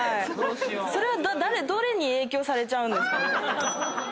それは誰どれに影響されちゃうんですか？